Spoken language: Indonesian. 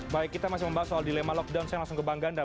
baik kita masih membahas soal dilema lockdown saya langsung ke bang ganda